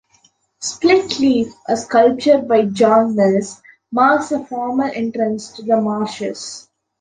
"Split Leaf", a sculpture by Jon Mills, marks the formal entrance to the marshes.